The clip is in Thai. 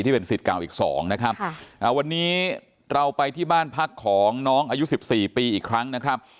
เป็นสิทธิ์เก่าอีกสองนะครับวันนี้เราไปที่บ้านพักของน้องอายุ๑๔ปีอีกครั้งนะครับ